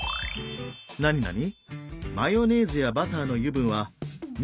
なになに？